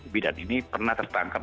bidan ini pernah tertangkap